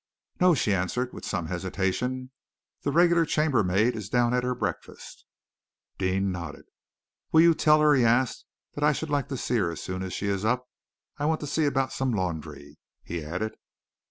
"No!" she answered, with some hesitation. "The regular chambermaid is down at her breakfast." Deane nodded. "Will you tell her," he asked, "that I should like to see her as soon as she is up? I want to see about some laundry," he added.